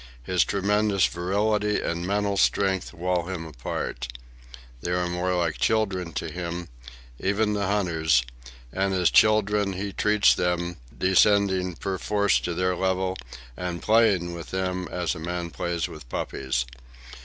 His tremendous virility and mental strength wall him apart. They are more like children to him, even the hunters, and as children he treats them, descending perforce to their level and playing with them as a man plays with puppies.